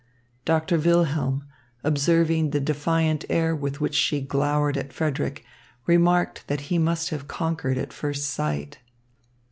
Doctor Wilhelm, observing the defiant air with which she glowered at Frederick, remarked that he must have conquered at first sight.